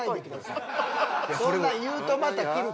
そんなん言うとまたくるから。